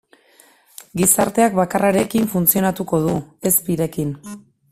Gizarteak bakarrarekin funtzionatuko du, ez birekin.